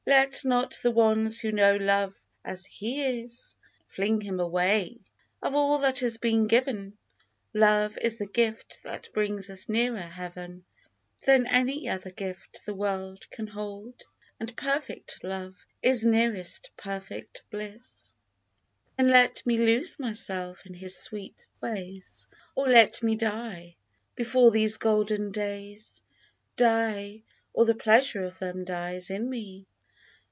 Let not the ones who know Love as he is Fling him away ! Of all that has been given, Love is the gift that brings us nearer Heaven Than any other gift the world can hold. And perfect Love is nearest perfect bliss. T2 "/ Live my Life away from Thee !" Then let me lose myself in his sweet ways, Or let me die, before these golden days Die, or the pleasure of them dies in me